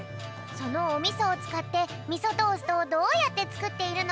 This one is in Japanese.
そのおみそをつかってみそトーストをどうやってつくっているのか